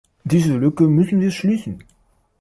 Diese Lücke müssen wir schließen.